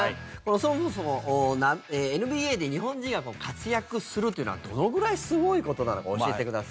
そもそも、ＮＢＡで日本人が活躍するというのはどのぐらいすごいことなのか教えてください。